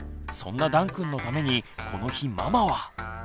そんなだんくんのためにこの日ママは。